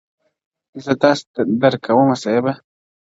زه تاسې درک کوم صیبه.